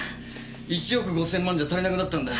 １億５千万じゃ足りなくなったんだ。